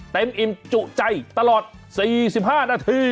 อิ่มจุใจตลอด๔๕นาที